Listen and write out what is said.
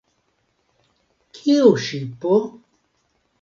Kiu ŝipo?